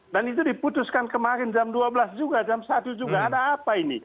dan itu diputuskan kemarin jam dua belas juga jam satu juga ada apa ini